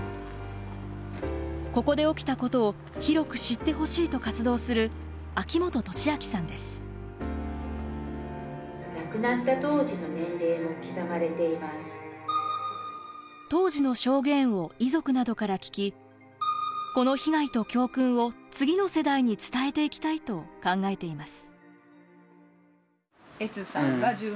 ここで起きたことを広く知ってほしいと活動する当時の証言を遺族などから聞きこの被害と教訓を次の世代に伝えていきたいと考えています。